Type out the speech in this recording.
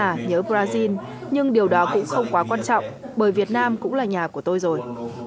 và nhớ brazil nhưng điều đó cũng không quá quan trọng bởi việt nam cũng là nhà của tôi rồi